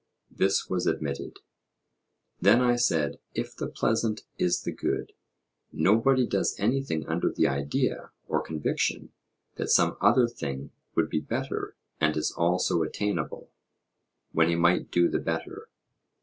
This was admitted. Then, I said, if the pleasant is the good, nobody does anything under the idea or conviction that some other thing would be better and is also attainable, when he might do the better.